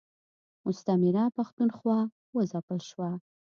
مستعمره پښتونخوا و ځپل شوه.